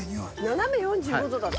斜め４５度だって。